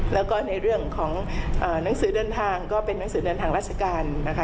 แล้วก็ในเรื่องของหนังสือเดินทางก็เป็นหนังสือเดินทางราชการนะคะ